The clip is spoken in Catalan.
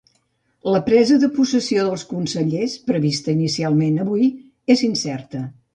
La presa de possessió dels consellers, prevista inicialment avui, és incerta.